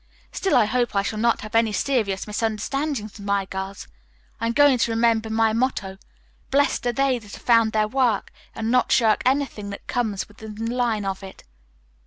Still I hope I shall not have any serious misunderstandings with my girls. I'm going to remember my motto, 'Blessed are they that have found their work,' and not shirk anything that comes within the line of it."